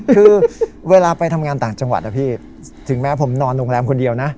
คือเวลาไปทำงานต่างจังหวัดนะพี่ถึงแม้ผมนอนโรงแรมคนเดียวนะ